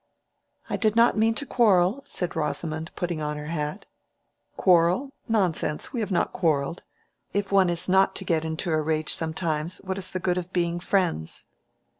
"I did not mean to quarrel," said Rosamond, putting on her hat. "Quarrel? Nonsense; we have not quarrelled. If one is not to get into a rage sometimes, what is the good of being friends?"